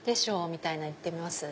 みたいなのいってみます。